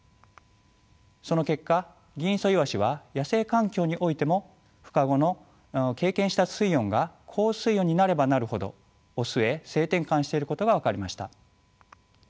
その結果ギンイソイワシは野生環境においてもふ化後の経験した水温が高水温になればなるほどオスへ性転換していることが分かりました。